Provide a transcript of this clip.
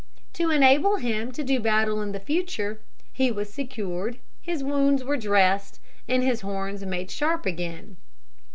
To enable him to do battle in future, he was secured, his wounds were dressed, and his horns made sharp again.